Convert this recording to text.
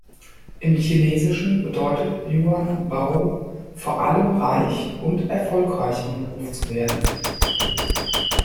Im Chinesischen bedeutet "Yuan Bao" vor allem reich und erfolgreich im Beruf zu werden.